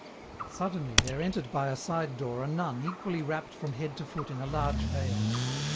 Suddenly there entered by a side door a nun equally wrapped from head to foot in a large veil.